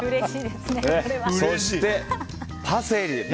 そして、パセリ。